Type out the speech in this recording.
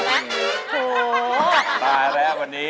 ร้องได้ให้ร้อง